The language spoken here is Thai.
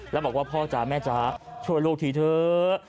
แล้วบอกว่าพ่อจ๋าแม่จ๋าช่วยลูกทีเถอะ